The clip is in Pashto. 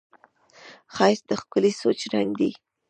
ښایست د ښکلي سوچ رنګ دی